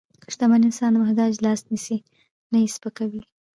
شتمن انسان د محتاج لاس نیسي، نه یې سپکوي.